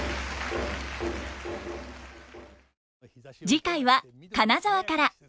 次回は金沢から。